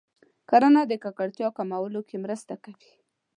کرنه د ککړتیا کمولو کې مرسته کوي.